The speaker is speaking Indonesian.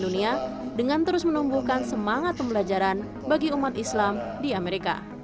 dunia dengan terus menumbuhkan semangat pembelajaran bagi umat islam di amerika